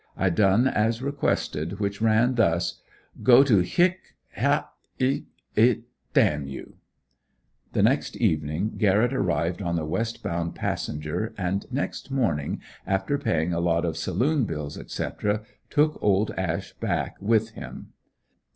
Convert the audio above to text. I done as requested, which ran thus: "Go to, hic, h l, d you!" The next evening, Garrett arrived on the west bound passenger, and next morning, after paying a lot of saloon bills, etc., took old Ash back with him.